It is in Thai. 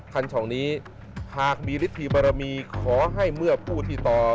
คัญชองนี้หากมีลิทธิบรมีขอให้เมื่อพูดที่ตอ